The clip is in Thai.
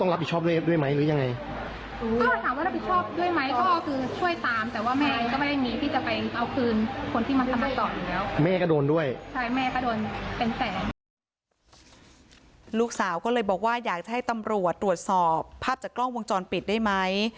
ลูกสาวก็เลยบอกว่าอยากจะให้ตำรวจตรวจสอบภาพจากกล้องวงจรปิดได้ไหม